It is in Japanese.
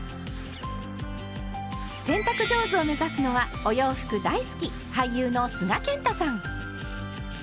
洗濯上手を目指すのはお洋服大好き俳優の須賀健太さん。